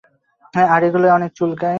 আর এগুলো অনেক চুলকায়।